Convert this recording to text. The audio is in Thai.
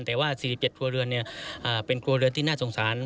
แต่ว่า๔๗ครัวเรือนเป็นครัวเรือนที่น่าสงสาร